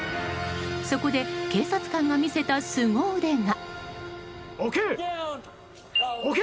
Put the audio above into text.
そこで警察官が見せたすご腕が。